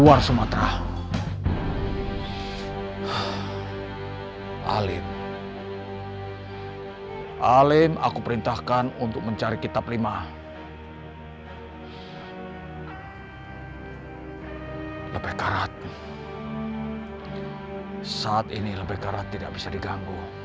aku harus menghubungi inja yang lain